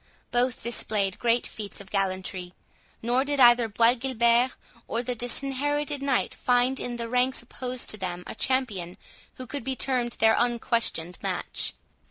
Both displayed great feats of gallantry, nor did either Bois Guilbert or the Disinherited Knight find in the ranks opposed to them a champion who could be termed their unquestioned match.